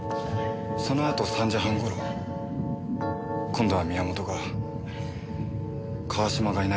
そのあと３時半頃今度は宮本が川島がいないと騒ぎ出して。